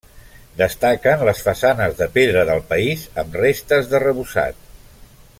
Destaquen les façanes de pedra del país amb restes d'arrebossat.